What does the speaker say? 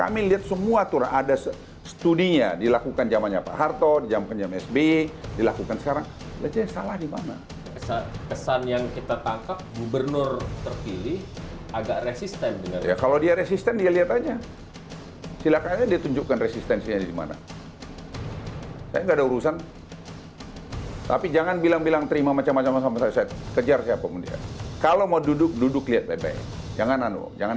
menerima macam macam macam saya kejar siapapun kalau mau duduk duduk lihat baik baik jangan